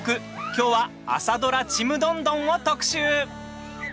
きょうは朝ドラ「ちむどんどん」を特集。